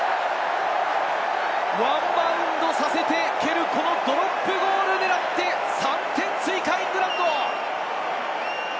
ワンバウンドさせて蹴るドロップゴールを狙って、３点追加！